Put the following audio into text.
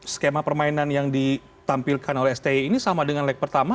skema permainan yang ditampilkan oleh sti ini sama dengan leg pertama